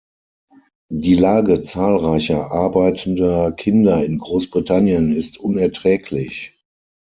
Die Lage zahlreicher arbeitender Kinder in Großbritannien ist unerträglich.